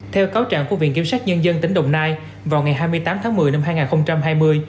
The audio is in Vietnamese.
theo cáo trạng của viện kiểm sát nhân dân tỉnh đồng nai vào ngày hai mươi tám tháng một mươi năm hai nghìn hai mươi